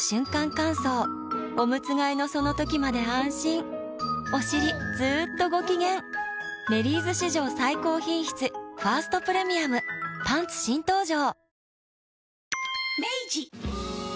乾燥おむつ替えのその時まで安心おしりずっとご機嫌「メリーズ」史上最高品質「ファーストプレミアム」パンツ新登場！